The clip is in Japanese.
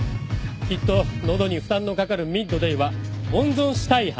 きっと喉に負担のかかる『ＭＩＤＤＡＹ』は温存したいはず。